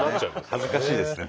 恥ずかしいですね